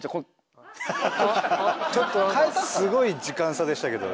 すごい時間差でしたけど今。